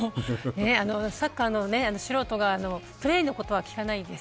サッカーの素人がプレーのことは聞かないです。